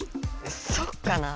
そっかな。